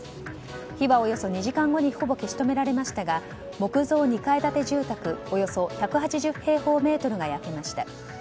火はおよそ２時間後にほぼ消し止められましたが木造２階建て住宅およそ１８０平方メートルが焼けました。